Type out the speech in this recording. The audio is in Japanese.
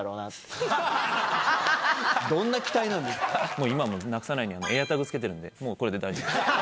もう今はなくさないようにエアタグ付けてるんでもうこれで大丈夫です。